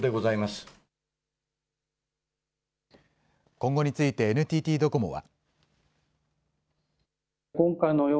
今後についてＮＴＴドコモは。